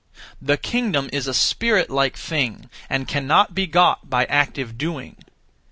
The kingdom is a spirit like thing, and cannot be got by active doing.